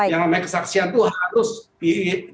yang namanya kesaksian itu harus disertai diiringi